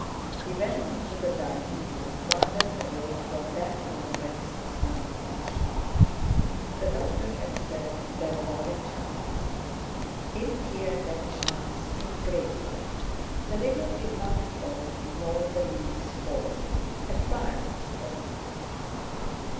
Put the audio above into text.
He went into the dining room, furthest away from that room whence the sounds issued. The doctor had said there was a chance. In here that chance seemed greater; the river did not flow, nor the leaves fall. A fire was burning.